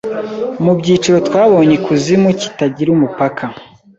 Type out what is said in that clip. Mubyiciro twabonye ikuzimu kitagira umupaka